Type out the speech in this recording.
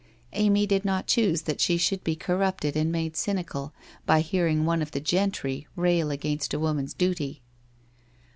Amy did not choose that she should be corrupted and made cynical, by hear ing one of the gentry rail against a woman's duty.